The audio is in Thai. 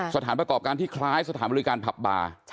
สถานประกอบการที่คล้ายสถานบริการผับบาร์